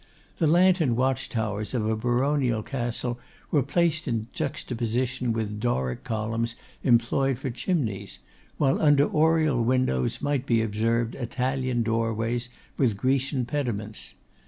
The lantern watch towers of a baronial castle were placed in juxtaposition with Doric columns employed for chimneys, while under oriel windows might be observed Italian doorways with Grecian pediments.